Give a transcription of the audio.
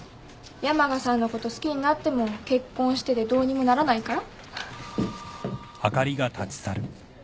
山賀さんのこと好きになっても結婚しててどうにもならないから？